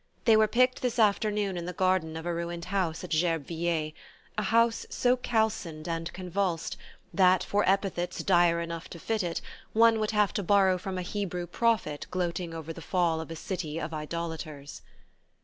They were picked this afternoon in the garden of a ruined house at Gerbeviller a house so calcined and convulsed that, for epithets dire enough to fit it, one would have to borrow from a Hebrew prophet gloating over the fall of a city of idolaters.